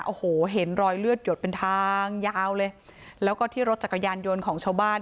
โอ้โหเห็นรอยเลือดหยดเป็นทางยาวเลยแล้วก็ที่รถจักรยานยนต์ของชาวบ้าน